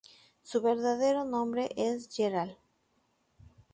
Su verdadero nombre es Gerald.